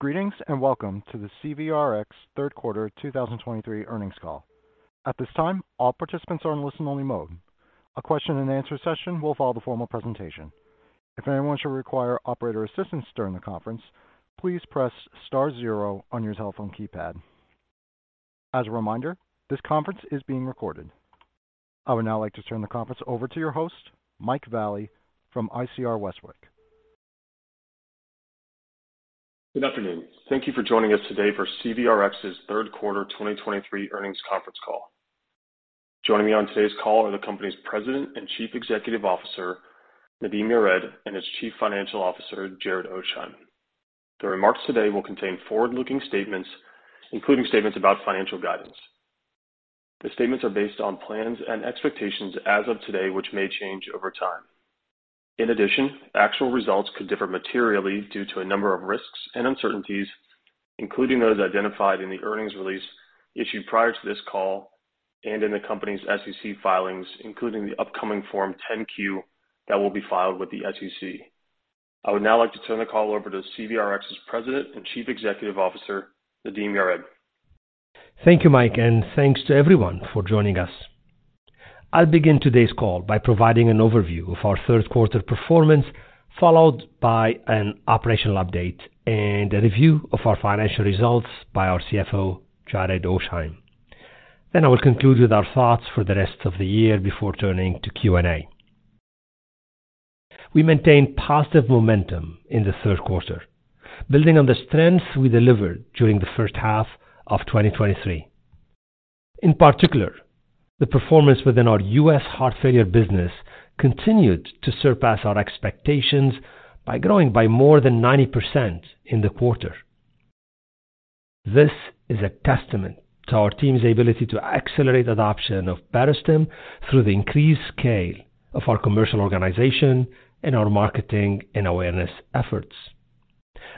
Greetings, and welcome to the CVRx Third Quarter 2023 Earnings Call. At this time, all participants are in listen-only mode. A question and answer session will follow the formal presentation. If anyone should require operator assistance during the conference, please press star zero on your telephone keypad. As a reminder, this conference is being recorded. I would now like to turn the conference over to your host, Mike Vallie from ICR Westwicke. Good afternoon. Thank you for joining us today for CVRx's Third Quarter 2023 Earnings Conference Call. Joining me on today's call are the company's President and Chief Executive Officer, Nadim Yared, and its Chief Financial Officer, Jared Oasheim. The remarks today will contain forward-looking statements, including statements about financial guidance. The statements are based on plans and expectations as of today, which may change over time. In addition, actual results could differ materially due to a number of risks and uncertainties, including those identified in the earnings release issued prior to this call and in the company's SEC filings, including the upcoming Form 10-Q, that will be filed with the SEC. I would now like to turn the call over to CVRx's President and Chief Executive Officer, Nadim Yared. Thank you, Mike, and thanks to everyone for joining us. I'll begin today's call by providing an overview of our third quarter performance, followed by an operational update and a review of our financial results by our CFO, Jared Oasheim. Then I will conclude with our thoughts for the rest of the year before turning to Q&A. We maintained positive momentum in the third quarter, building on the strengths we delivered during the first half of 2023. In particular, the performance within our US heart failure business continued to surpass our expectations by growing by more than 90% in the quarter. This is a testament to our team's ability to accelerate adoption of Barostim through the increased scale of our commercial organization and our marketing and awareness efforts.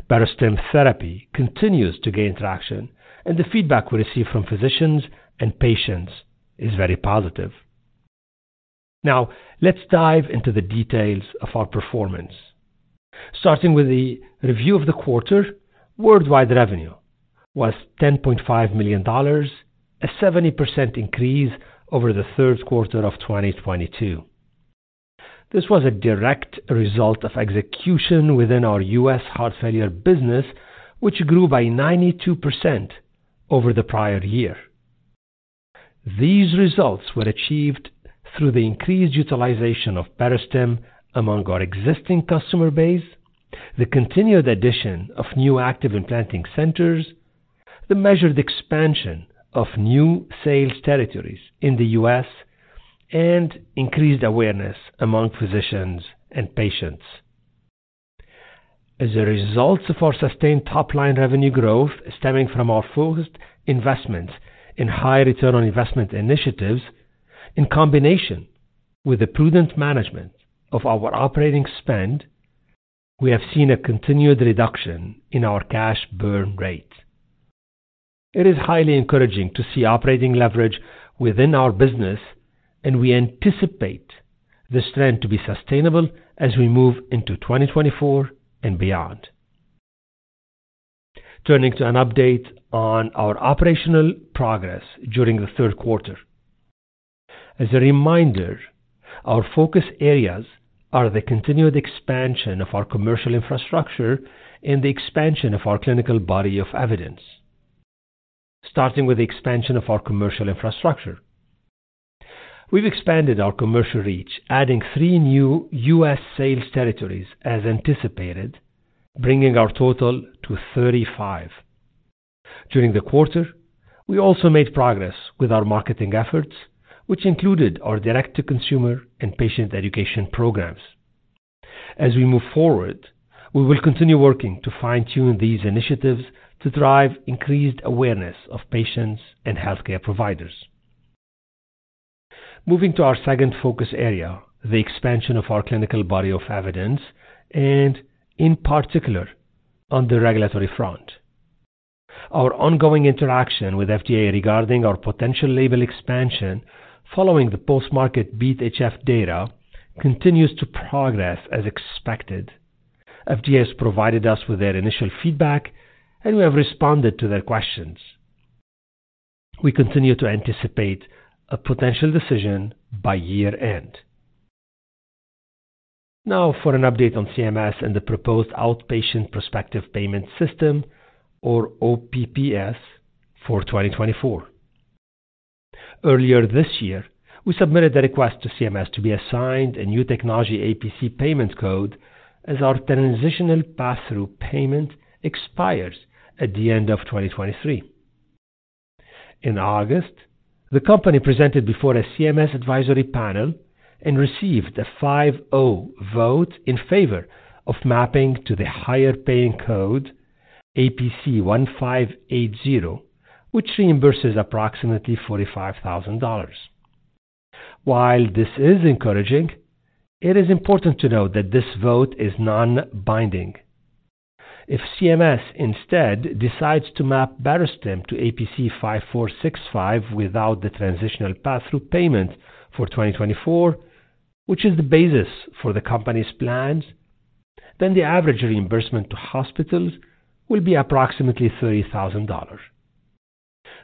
Barostim therapy continues to gain traction, and the feedback we receive from physicians and patients is very positive. Now, let's dive into the details of our performance. Starting with the review of the quarter, worldwide revenue was $10.5 million, a 70% increase over the third quarter of 2022. This was a direct result of execution within our US heart failure business, which grew by 92% over the prior year. These results were achieved through the increased utilization of Barostim among our existing customer base, the continued addition of new active implanting centers, the measured expansion of new sales territories in the U.S., and increased awareness among physicians and patients. As a result of our sustained top-line revenue growth stemming from our focused investments in high return on investment initiatives, in combination with the prudent management of our operating spend, we have seen a continued reduction in our cash burn rate.It is highly encouraging to see operating leverage within our business, and we anticipate this trend to be sustainable as we move into 2024 and beyond. Turning to an update on our operational progress during the third quarter. As a reminder, our focus areas are the continued expansion of our commercial infrastructure and the expansion of our clinical body of evidence. Starting with the expansion of our commercial infrastructure. We've expanded our commercial reach, adding three new US sales territories as anticipated, bringing our total to 35. During the quarter, we also made progress with our marketing efforts, which included our direct-to-consumer and patient education programs. As we move forward, we will continue working to fine-tune these initiatives to drive increased awareness of patients and healthcare providers. Moving to our second focus area, the expansion of our clinical body of evidence, and in particular, on the regulatory front. Our ongoing interaction with FDA regarding our potential label expansion following the post-market BeAT-HF data continues to progress as expected. FDA has provided us with their initial feedback, and we have responded to their questions. We continue to anticipate a potential decision by year-end. Now, for an update on CMS and the proposed Outpatient Prospective Payment System, or OPPS, for 2024. Earlier this year, we submitted a request to CMS to be assigned a new technology APC payment code as our transitional pass-through payment expires at the end of 2023. In August, the company presented before a CMS advisory panel and received a 5-0 vote in favor of mapping to the higher-paying code, APC 1580, which reimburses approximately $45,000. While this is encouraging, it is important to note that this vote is non-binding. If CMS instead decides to map Barostim to APC 5465 without the transitional pass-through payment for 2024, which is the basis for the company's plans, then the average reimbursement to hospitals will be approximately $30,000.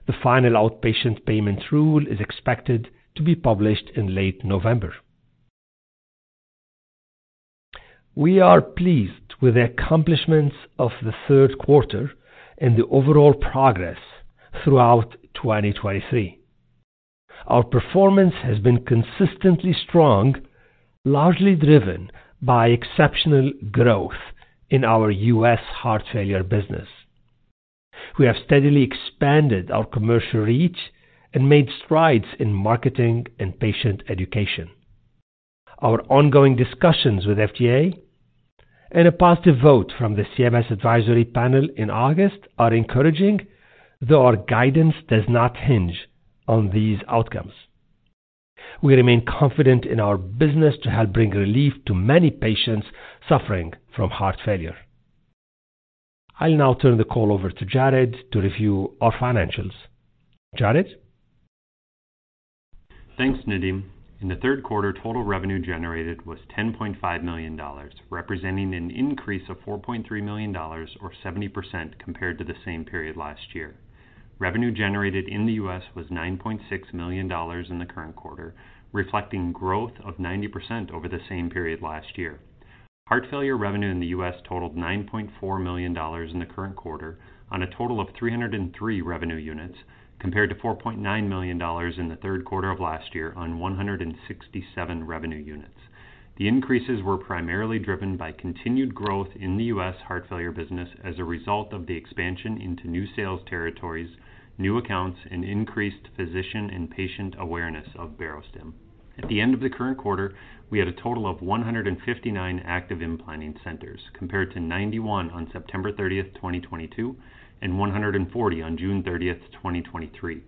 The final outpatient payment rule is expected to be published in late November. We are pleased with the accomplishments of the third quarter and the overall progress throughout 2023. Our performance has been consistently strong, largely driven by exceptional growth in our US heart failure business. We have steadily expanded our commercial reach and made strides in marketing and patient education. Our ongoing discussions with FDA and a positive vote from the CMS advisory panel in August are encouraging, though our guidance does not hinge on these outcomes. We remain confident in our business to help bring relief to many patients suffering from heart failure. I'll now turn the call over to Jared to review our financials. Jared? Thanks, Nadim. In the third quarter, total revenue generated was $10.5 million, representing an increase of $4.3 million or 70% compared to the same period last year. Revenue generated in the U.S. was $9.6 million in the current quarter, reflecting growth of 90% over the same period last year. Heart failure revenue in the U.S. totaled $9.4 million in the current quarter on a total of 303 revenue units, compared to $4.9 million in the third quarter of last year on 167 revenue units. The increases were primarily driven by continued growth in the US heart failure business as a result of the expansion into new sales territories, new accounts, and increased physician and patient awareness of Barostim.At the end of the current quarter, we had a total of 159 active implanting centers, compared to 91 on September 30th, 2022, and 140 on June 30th, 2023.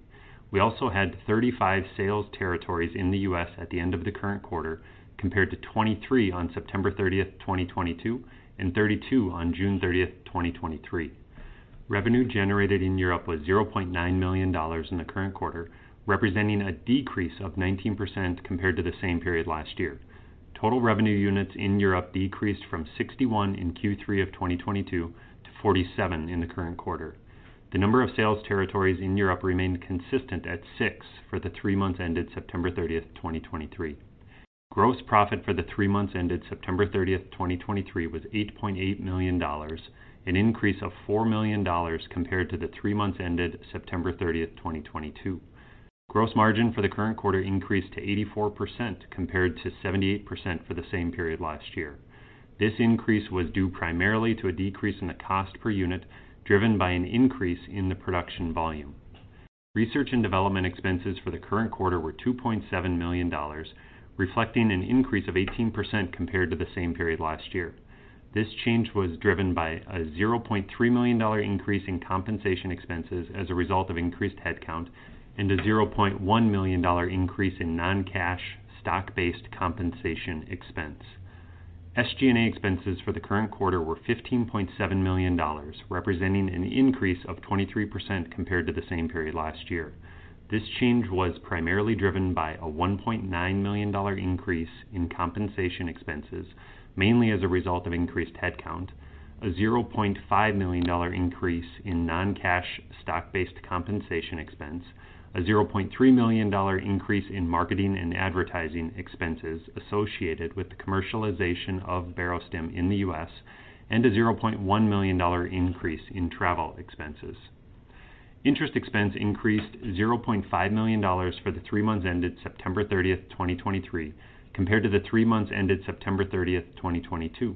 We also had 35 sales territories in the U.S. at the end of the current quarter, compared to 23 on September 30th, 2022, and 32 on June 30th, 2023. Revenue generated in Europe was $0.9 million in the current quarter, representing a decrease of 19% compared to the same period last year. Total revenue units in Europe decreased from 61 in Q3 of 2022 to 47 in the current quarter. The number of sales territories in Europe remained consistent at six for the three months ended September 30th, 2023. Gross profit for the three months ended September 30th, 2023, was $8.8 million, an increase of $4 million compared to the three months ended September 30, 2022. Gross margin for the current quarter increased to 84%, compared to 78% for the same period last year. This increase was due primarily to a decrease in the cost per unit, driven by an increase in the production volume. Research and development expenses for the current quarter were $2.7 million, reflecting an increase of 18% compared to the same period last year. This change was driven by a $0.3 million increase in compensation expenses as a result of increased headcount and a $0.1 million increase in non-cash stock-based compensation expense.SG&A expenses for the current quarter were $15.7 million, representing an increase of 23% compared to the same period last year. This change was primarily driven by a $1.9 million increase in compensation expenses, mainly as a result of increased headcount, a $0.5 million increase in non-cash stock-based compensation expense, a $0.3 million increase in marketing and advertising expenses associated with the commercialization of Barostim in the U.S., and a $0.1 million increase in travel expenses. Interest expense increased $0.5 million for the three months ended September 30, 2023, compared to the three months ended September 30, 2022.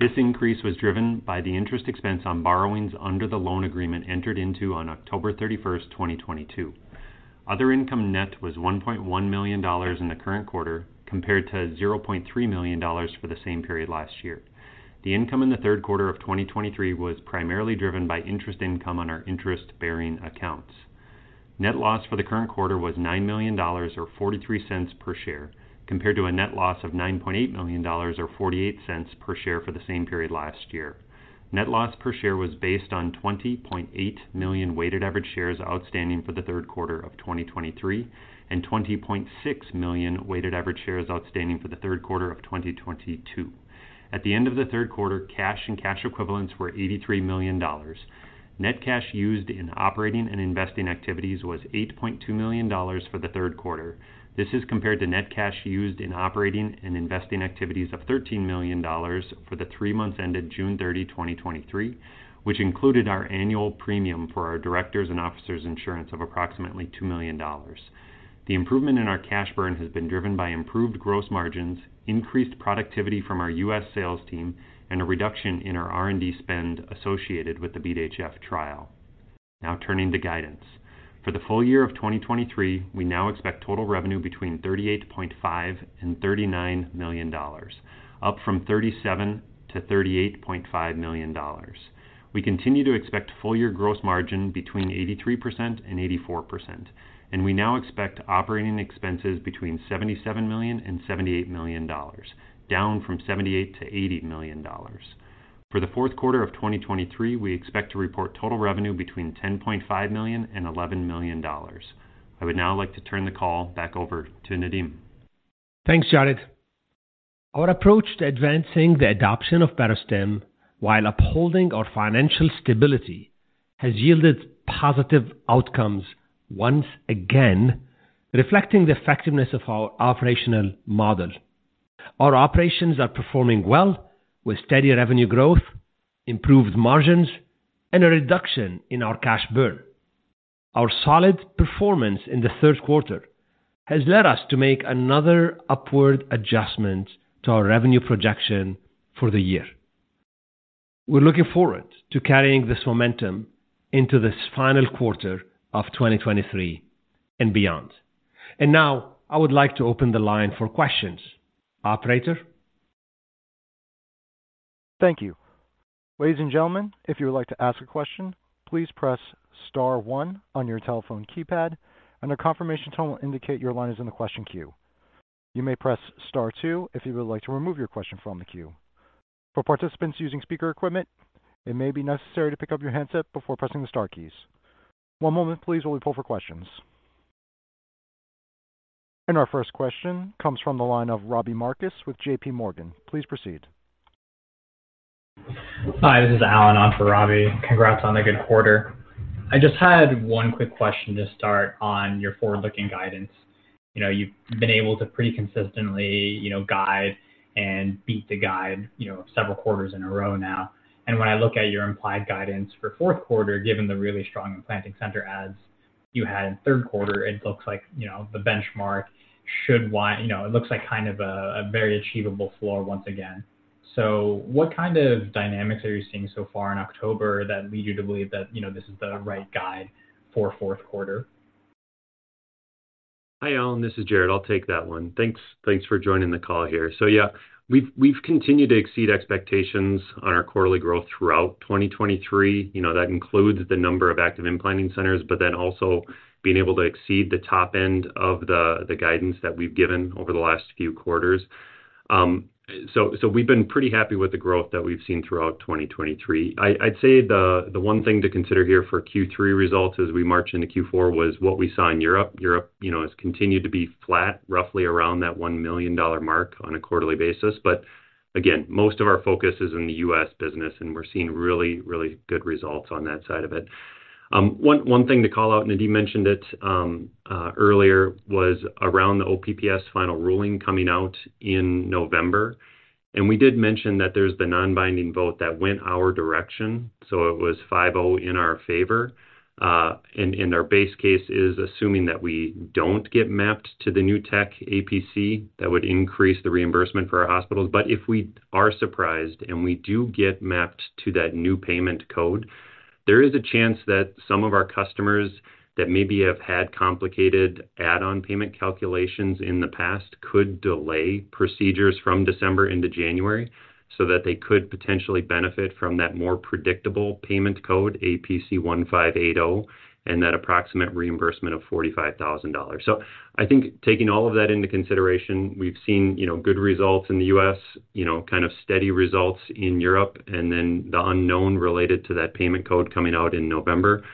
This increase was driven by the interest expense on borrowings under the loan agreement entered into on October 31st, 2022.Other income net was $1.1 million in the current quarter, compared to $0.3 million for the same period last year. The income in the third quarter of 2023 was primarily driven by interest income on our interest-bearing accounts. Net loss for the current quarter was $9 million, or $0.43 per share, compared to a net loss of $9.8 million, or $0.48 per share, for the same period last year. Net loss per share was based on 20.8 million weighted average shares outstanding for the third quarter of 2023 and 20.6 million weighted average shares outstanding for the third quarter of 2022. At the end of the third quarter, cash and cash equivalents were $83 million.Net cash used in operating and investing activities was $8.2 million for the third quarter. This is compared to net cash used in operating and investing activities of $13 million for the three months ended June 30th, 2023, which included our annual premium for our directors' and officers' insurance of approximately $2 million. The improvement in our cash burn has been driven by improved gross margins, increased productivity from our US sales team, and a reduction in our R&D spend associated with the BeAT-HF trial. Now, turning to guidance. For the full year of 2023, we now expect total revenue between $38.5 million and $39 million, up from $37 million-$38.5 million. We continue to expect full year gross margin between 83% and 84%, and we now expect operating expenses between $77 million and $78 million, down from $78 million-$80 million.... For the fourth quarter of 2023, we expect to report total revenue between $10.5 million and $11 million. I would now like to turn the call back over to Nadim. Thanks, Jared. Our approach to advancing the adoption of Barostim while upholding our financial stability has yielded positive outcomes once again, reflecting the effectiveness of our operational model. Our operations are performing well, with steady revenue growth, improved margins, and a reduction in our cash burn. Our solid performance in the third quarter has led us to make another upward adjustment to our revenue projection for the year. We're looking forward to carrying this momentum into this final quarter of 2023 and beyond. And now I would like to open the line for questions. Operator? Thank you. Ladies and gentlemen, if you would like to ask a question, please press star one on your telephone keypad, and a confirmation tone will indicate your line is in the question queue. You may press star two if you would like to remove your question from the queue. For participants using speaker equipment, it may be necessary to pick up your handset before pressing the star keys. One moment please while we pull for questions. Our first question comes from the line of Robbie Marcus with JPMorgan. Please proceed. Hi, this is Allen on for Robbie. Congrats on the good quarter. I just had one quick question to start on your forward-looking guidance. You know, you've been able to pretty consistently, you know, guide and beat the guide, you know, several quarters in a row now. When I look at your implied guidance for fourth quarter, given the really strong implanting center ads you had in third quarter, it looks like, you know, the benchmark should, you know, it looks like kind of a, a very achievable floor once again. What kind of dynamics are you seeing so far in October that lead you to believe that, you know, this is the right guide for fourth quarter? Hi, Allen, this is Jared. I'll take that one. Thanks for joining the call here. So yeah, we've continued to exceed expectations on our quarterly growth throughout 2023. You know, that includes the number of active implanting centers, but then also being able to exceed the top end of the guidance that we've given over the last few quarters. So we've been pretty happy with the growth that we've seen throughout 2023. I'd say the one thing to consider here for Q3 results as we march into Q4 was what we saw in Europe. Europe, you know, has continued to be flat, roughly around that $1 million mark on a quarterly basis. But again, most of our focus is in the US business, and we're seeing really, really good results on that side of it. One thing to call out, Nadim mentioned it earlier, was around the OPPS final ruling coming out in November. We did mention that there's the non-binding vote that went our direction, so it was 5-0 in our favor. Our base case is assuming that we don't get mapped to the new tech APC, that would increase the reimbursement for our hospitals. But if we are surprised and we do get mapped to that new payment code, there is a chance that some of our customers that maybe have had complicated add-on payment calculations in the past could delay procedures from December into January, so that they could potentially benefit from that more predictable payment code, APC 1580, and that approximate reimbursement of $45,000. So I think taking all of that into consideration, we've seen, you know, good results in the U.S., you know, kind of steady results in Europe, and then the unknown related to that payment code coming out in November.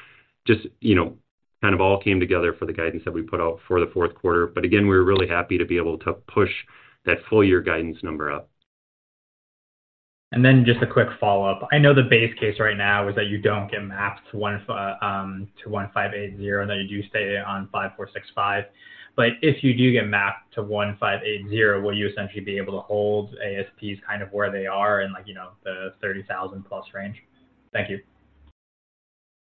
Just, you know, kind of all came together for the guidance that we put out for the fourth quarter. But again, we're really happy to be able to push that full year guidance number up. And then just a quick follow-up. I know the base case right now is that you don't get mapped to 1580, and that you do stay on 5465. But if you do get mapped to 1580, will you essentially be able to hold ASPs kind of where they are and like, you know, the $30,000+ range? Thank you.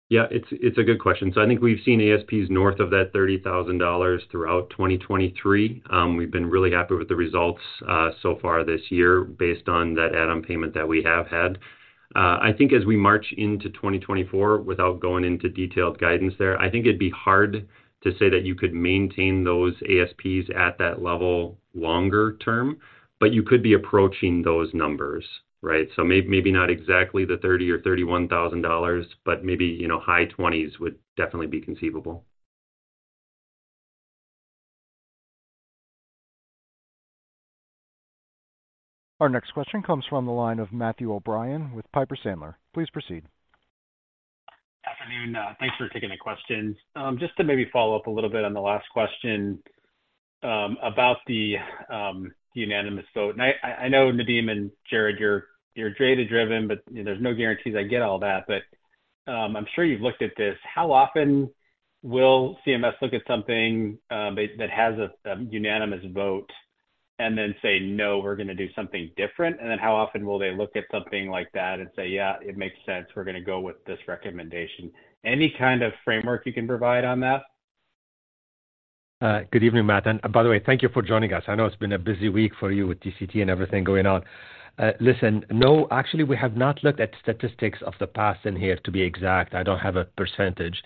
Yeah, it's a good question. So I think we've seen ASPs north of that $30,000 throughout 2023. We've been really happy with the results so far this year based on that add-on payment that we have had. I think as we march into 2024, without going into detailed guidance there, I think it'd be hard to say that you could maintain those ASPs at that level longer term, but you could be approaching those numbers, right? So maybe not exactly the $30,000 or $31,000, but maybe, you know, high 20s would definitely be conceivable. Our next question comes from the line of Matthew O'Brien with Piper Sandler. Please proceed. Afternoon. Thanks for taking the questions. Just to maybe follow up a little bit on the last question, about the unanimous vote. And I know, Nadim and Jared, you're data-driven, but you know, there's no guarantees I get all that. But I'm sure you've looked at this. How often will CMS look at something that has a unanimous vote and then say, "No, we're going to do something different?" And then how often will they look at something like that and say, "Yeah, it makes sense. We're going to go with this recommendation"? Any kind of framework you can provide on that? Good evening, Matt, and by the way, thank you for joining us. I know it's been a busy week for you with TCT and everything going on. Listen, no, actually, we have not looked at statistics of the past in here to be exact. I don't have a percentage,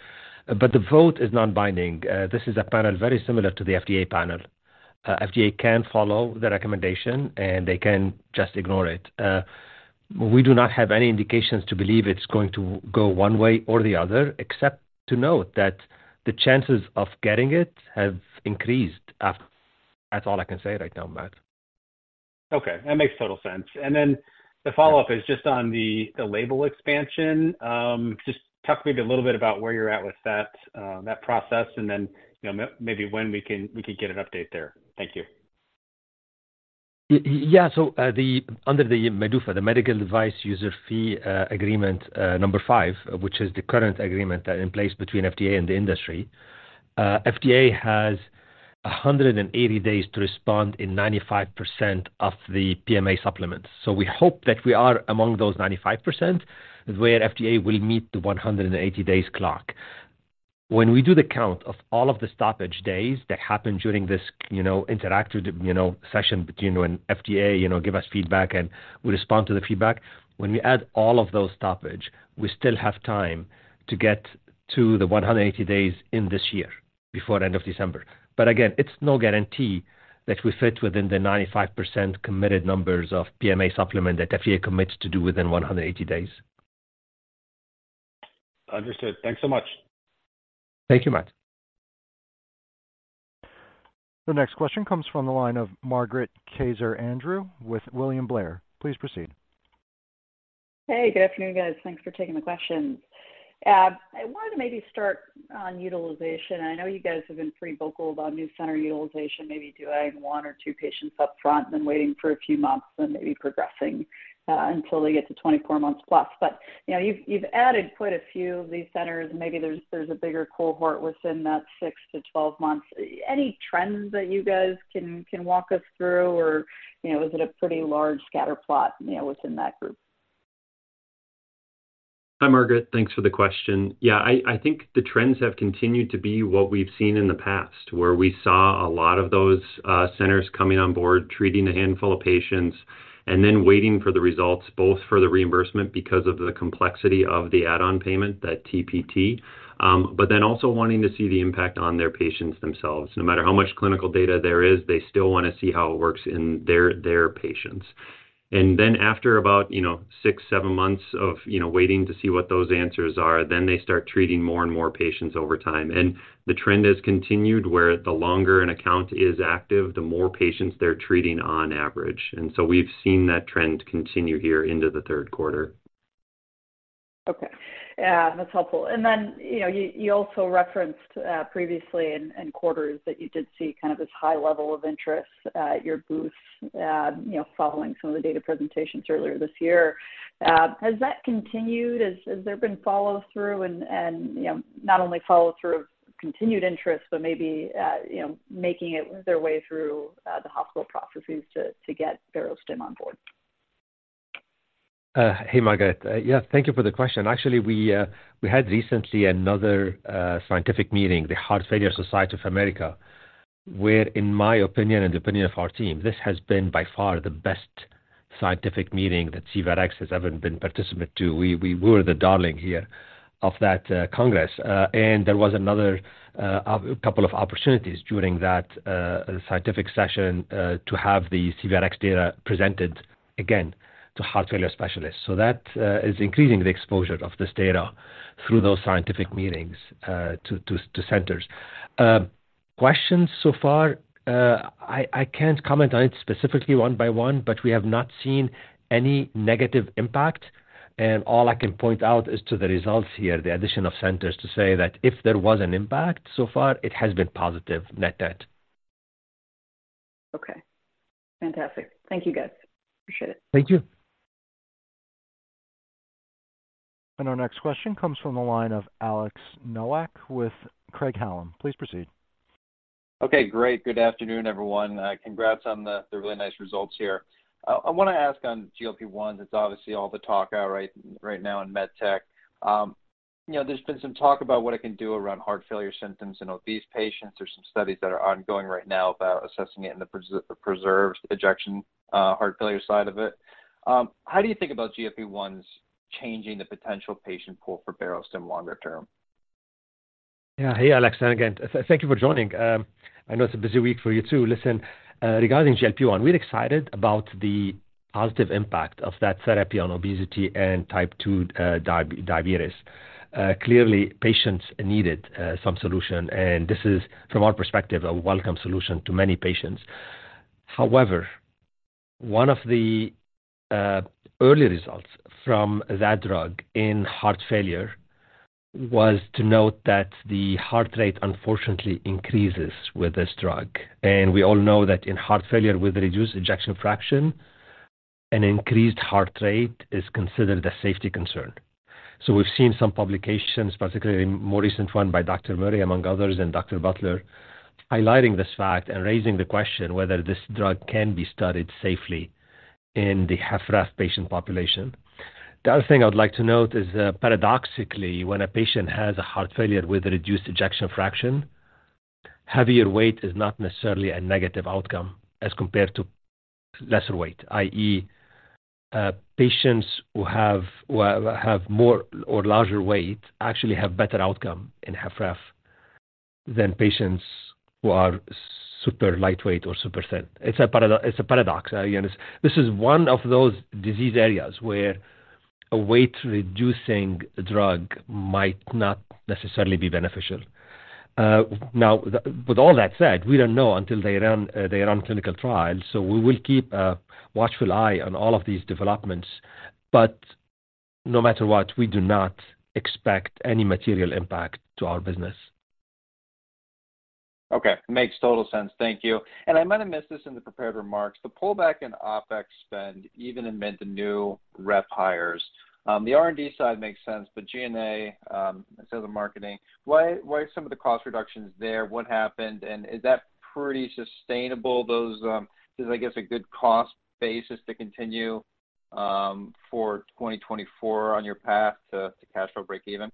but the vote is non-binding. This is a panel very similar to the FDA panel. FDA can follow the recommendation, and they can just ignore it. We do not have any indications to believe it's going to go one way or the other, except to note that the chances of getting it have increased after-... That's all I can say right now, Matt. Okay, that makes total sense. Then the follow-up is just on the label expansion. Just talk maybe a little bit about where you're at with that process, and then, you know, maybe when we can get an update there. Thank you. Yeah. So, under the MDUFA, the Medical Device User Fee Agreement, number five, which is the current agreement that in place between FDA and the industry, FDA has 180 days to respond in 95% of the PMA supplements. So we hope that we are among those 95% where FDA will meet the 180 days clock. When we do the count of all of the stoppage days that happened during this, you know, interactive, you know, session between when FDA, you know, give us feedback and we respond to the feedback. When we add all of those stoppage, we still have time to get to the 180 days in this year, before end of December.But again, it's no guarantee that we fit within the 95% committed numbers of PMA supplement that FDA commits to do within 180 days. Understood. Thanks so much. Thank you, Matt. The next question comes from the line of Margaret Kaczor Andrew, with William Blair. Please proceed. Hey, good afternoon, guys. Thanks for taking the questions. I wanted to maybe start on utilization. I know you guys have been pretty vocal about new center utilization, maybe doing one or two patients up front, then waiting for a few months, then maybe progressing until they get to 24 months plus. But, you know, you've added quite a few of these centers, and maybe there's a bigger cohort within that 6-12 months. Any trends that you guys can walk us through? Or, you know, is it a pretty large scatter plot, you know, within that group? Hi, Margaret. Thanks for the question. Yeah, I think the trends have continued to be what we've seen in the past, where we saw a lot of those centers coming on board, treating a handful of patients, and then waiting for the results, both for the reimbursement, because of the complexity of the add-on payment, that TPT. But then also wanting to see the impact on their patients themselves. No matter how much clinical data there is, they still wanna see how it works in their patients. And then after about, you know, 6-7 months of, you know, waiting to see what those answers are, then they start treating more and more patients over time. And the trend has continued where the longer an account is active, the more patients they're treating on average. We've seen that trend continue here into the third quarter. Okay. That's helpful. And then, you know, you also referenced previously in quarters that you did see kind of this high level of interest at your booth, you know, following some of the data presentations earlier this year. Has that continued? Has there been follow-through and, you know, not only follow-through of continued interest, but maybe, you know, making it their way through the hospital processes to get Barostim on board? Hey, Margaret. Yeah, thank you for the question. Actually, we had recently another scientific meeting, the Heart Failure Society of America, where, in my opinion and the opinion of our team, this has been by far the best scientific meeting that CVRx has ever been participant to. We were the darling here of that congress. And there was another a couple of opportunities during that scientific session to have the CVRx data presented again to heart failure specialists. So that is increasing the exposure of this data through those scientific meetings to centers. Questions so far, I can't comment on it specifically one by one, but we have not seen any negative impact. And all I can point out is to the results here, the addition of centers, to say that if there was an impact so far, it has been positive, net-net. Okay. Fantastic. Thank you, guys. Appreciate it. Thank you. Our next question comes from the line of Alex Nowak with Craig-Hallum. Please proceed. Okay, great. Good afternoon, everyone. Congrats on the really nice results here. I wanna ask on GLP-1. It's obviously all the talk out right, right now in med tech. You know, there's been some talk about what it can do around heart failure symptoms in obese patients. There's some studies that are ongoing right now about assessing it in the preserved ejection heart failure side of it. How do you think about GLP-1s changing the potential patient pool for Barostim longer term? Yeah. Hey, Alex, again, thank you for joining. I know it's a busy week for you, too. Listen, regarding GLP-1, we're excited about the positive impact of that therapy on obesity and Type 2 diabetes. Clearly, patients needed some solution, and this is, from our perspective, a welcome solution to many patients. However, one of the early results from that drug in heart failure was to note that the heart rate unfortunately increases with this drug. We all know that in heart failure with reduced ejection fraction, an increased heart rate is considered a safety concern. We've seen some publications, particularly a more recent one by Dr. McMurray, among others, and Dr. Butler, highlighting this fact and raising the question whether this drug can be studied safely in the HFrEF patient population. The other thing I'd like to note is that, paradoxically, when a patient has a heart failure with reduced ejection fraction, heavier weight is not necessarily a negative outcome as compared to lesser weight. i.e., patients who have more or larger weight actually have better outcome in HFrEF than patients who are super lightweight or super thin. It's a paradox. You know, this is one of those disease areas where a weight-reducing drug might not necessarily be beneficial. Now, with all that said, we don't know until they run clinical trials. So we will keep a watchful eye on all of these developments, but no matter what, we do not expect any material impact to our business. Okay. Makes total sense. Thank you. And I might have missed this in the prepared remarks. The pullback in OpEx spend, even amid the new rep hires, the R&D side makes sense, but G&A, and sales and marketing, why, why some of the cost reductions there? What happened, and is that pretty sustainable, those... Is, I guess, a good cost basis to continue, for 2024 on your path to, to cash flow breakeven?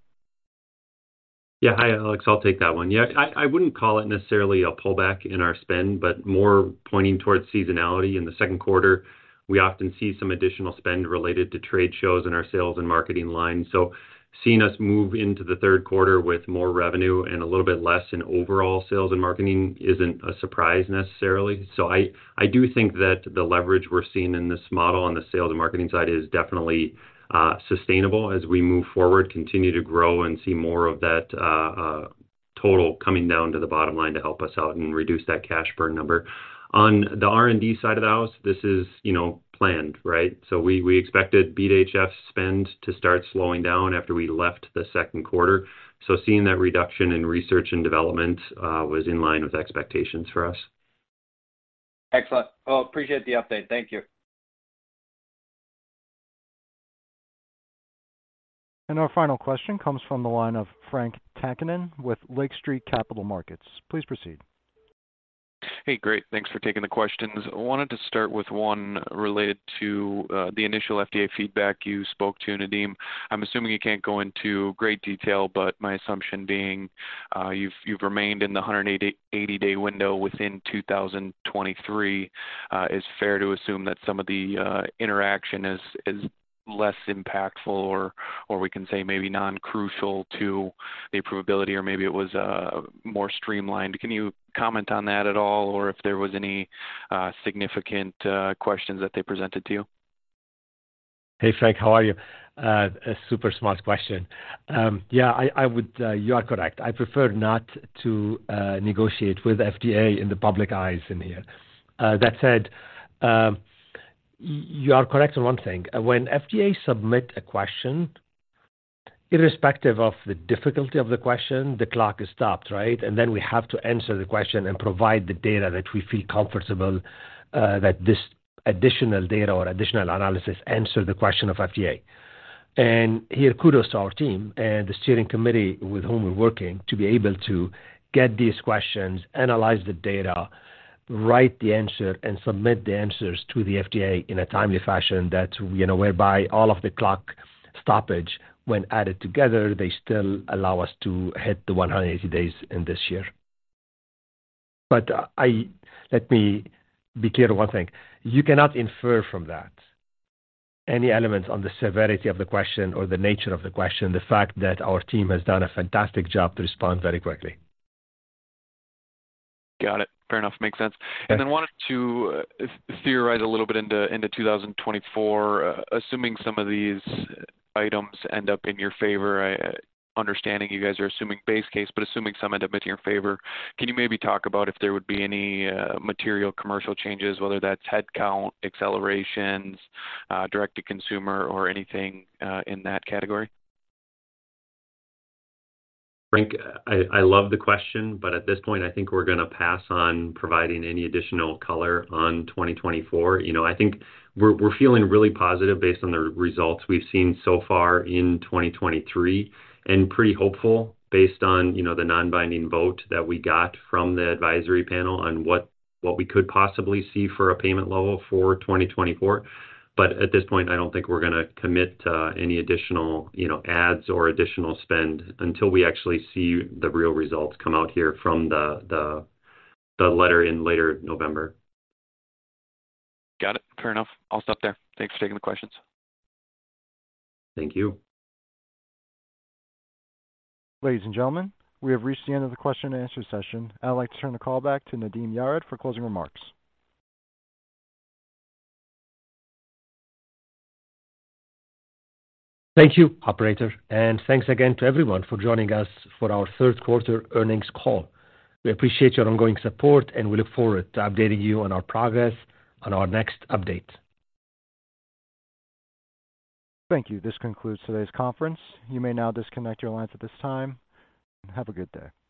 Yeah. Hi, Alex, I'll take that one. Yeah, I wouldn't call it necessarily a pullback in our spend, but more pointing towards seasonality. In the second quarter, we often see some additional spend related to trade shows in our sales and marketing line. So seeing us move into the third quarter with more revenue and a little bit less in overall sales and marketing isn't a surprise necessarily. So I do think that the leverage we're seeing in this model on the sales and marketing side is definitely sustainable as we move forward, continue to grow, and see more of that total coming down to the bottom line to help us out and reduce that cash burn number. On the R&D side of the house, this is, you know, planned, right? We expected BeAT-HF spend to start slowing down after we left the second quarter. Seeing that reduction in research and development was in line with expectations for us. Excellent. Well, appreciate the update. Thank you. Our final question comes from the line of Frank Takkinen with Lake Street Capital Markets. Please proceed. Hey, great. Thanks for taking the questions. I wanted to start with one related to the initial FDA feedback you spoke to, Nadim. I'm assuming you can't go into great detail, but my assumption being you've remained in the 180-day window within 2023. Is fair to assume that some of the interaction is less impactful, or we can say maybe non-crucial to the approvability, or maybe it was more streamlined? Can you comment on that at all, or if there was any significant questions that they presented to you? Hey, Frank. How are you? A super smart question. You are correct. I prefer not to negotiate with FDA in the public eyes in here. That said, you are correct on one thing. When FDA submit a question, irrespective of the difficulty of the question, the clock is stopped, right? And then we have to answer the question and provide the data that we feel comfortable that this additional data or additional analysis answer the question of FDA. And here, kudos to our team and the steering committee with whom we're working, to be able to get these questions, analyze the data, write the answer, and submit the answers to the FDA in a timely fashion that, you know, whereby all of the clock stoppage, when added together, they still allow us to hit the 180 days in this year. But let me be clear on one thing: You cannot infer from that any elements on the severity of the question or the nature of the question, the fact that our team has done a fantastic job to respond very quickly. Got it. Fair enough. Makes sense. Yeah. And then wanted to theorize a little bit into 2024. Assuming some of these items end up in your favor, understanding you guys are assuming base case, but assuming some end up in your favor, can you maybe talk about if there would be any material commercial changes, whether that's headcount, accelerations, direct to consumer or anything in that category? Frank, I love the question, but at this point, I think we're gonna pass on providing any additional color on 2024. You know, I think we're feeling really positive based on the results we've seen so far in 2023, and pretty hopeful based on, you know, the non-binding vote that we got from the advisory panel on what we could possibly see for a payment level for 2024. But at this point, I don't think we're gonna commit to any additional, you know, ads or additional spend until we actually see the real results come out here from the letter in later November. Got it. Fair enough. I'll stop there. Thanks for taking the questions. Thank you. Ladies and gentlemen, we have reached the end of the question and answer session. I'd like to turn the call back to Nadim Yared for closing remarks. Thank you, operator, and thanks again to everyone for joining us for our third quarter earnings call. We appreciate your ongoing support, and we look forward to updating you on our progress on our next update. Thank you. This concludes today's conference. You may now disconnect your lines at this time. Have a good day.